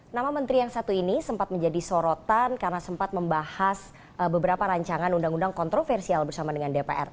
nama menteri yang satu ini sempat menjadi sorotan karena sempat membahas beberapa rancangan undang undang kontroversial bersama dengan dpr